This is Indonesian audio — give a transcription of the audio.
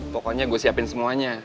pokoknya gue siapin semuanya